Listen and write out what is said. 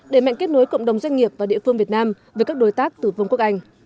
để mạnh kết nối cộng đồng doanh nghiệp và địa phương việt nam với các đối tác từ vương quốc anh